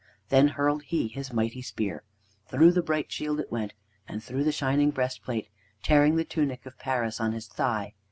Then hurled he his mighty spear. Through the bright shield it went, and through the shining breastplate, tearing the tunic of Paris on his thigh.